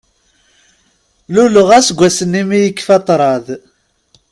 Luleɣ aseggas-nni mi yekfa ṭṭraḍ.